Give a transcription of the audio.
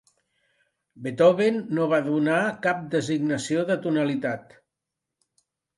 Beethoven no va donar cap designació de tonalitat.